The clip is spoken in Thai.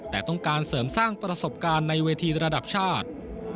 แต่ต้องการเสริมสร้างประสบการณ์ในเวทีระดับชาติ